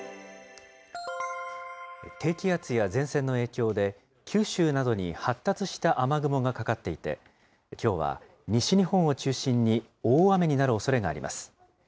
低気圧や前線の影響で、九州などに発達した雨雲がかかっていて、きょうは西日本を中心に大雨になるおそれがあります。